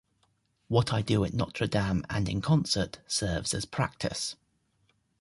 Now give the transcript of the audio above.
'What I do at Notre-Dame and in concert serves as practice.